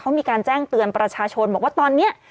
เขามีการแจ้งเตือนประชาชนบอกว่าตอนนี้